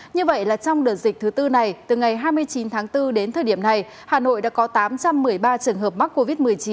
như vậy là trong đợt dịch thứ tư này từ ngày hai mươi chín tháng bốn đến thời điểm này hà nội đã có tám trăm một mươi ba trường hợp mắc covid một mươi chín